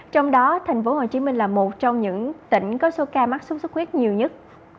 trong đó tp hcm là một trong những tỉnh có số ca mắc sốt xuất huyết nhiều nhất